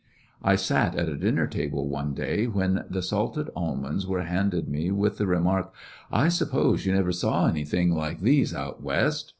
I sat at a dinner table, one day, when the salted almonds were handed me with the re mark: "I suppose you never saw anything like these out West.